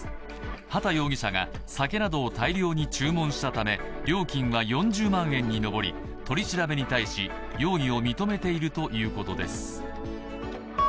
畠容疑者が酒などを大量に注文したため料金は４０万円に上り、取り調べに対し、容疑を認めているということです。